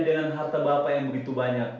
dengan harta bapak yang begitu banyak